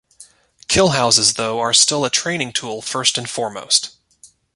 Kill houses though are still a training tool first and foremost.